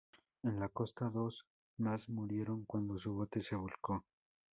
En la costa, dos más murieron cuando su bote se volcó.